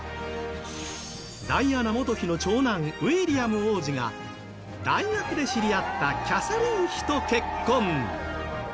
ダイアナ元妃の長男ウィリアム王子が大学で知り合ったキャサリン妃と結婚。